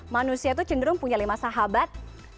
manusia itu cenderung punya lima sahabat